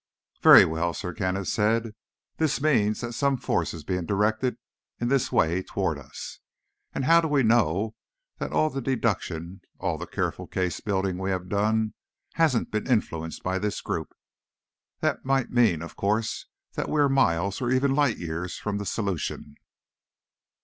"Very well," Sir Kenneth said. "This means that some force is being directed in this way, toward us. And how do we know that all the deduction, all the careful case building we have done, hasn't been influenced by this group? That might mean, of course, that we are miles, or even light years, from the solution."